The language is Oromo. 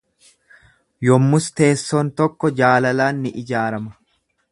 Yommus teessoon tokko jaalalaan ni ijaarama.